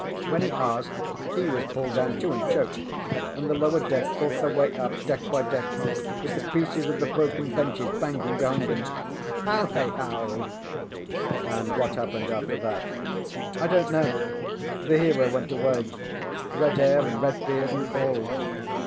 When he asked, he was pulled down too and choked, and the lower deck fought their way up deck by deck, with the pieces of the broken benches banging behind ŌĆśem. How they howled! ŌĆØ ŌĆ£And what happened after that? ŌĆØ ŌĆ£I donŌĆÖt know. The hero went away red hair and red beard and all.